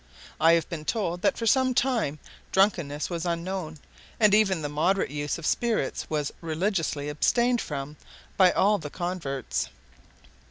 I have been told that for some time drunkenness was unknown, and even the moderate use of spirits was religiously abstained from by all the converts.